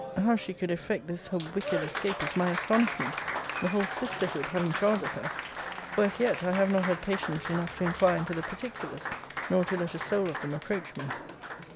How she could effect this her wicked escape is my astonishment; the whole sisterhood having charge of her; for, as yet, I have not had patience enough to inquire into the particulars, nor to let a soul of them approach me.